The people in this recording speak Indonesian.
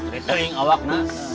ritu yang awak nak